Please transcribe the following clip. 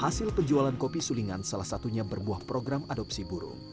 hasil penjualan kopi sulingan salah satunya berbuah program adopsi burung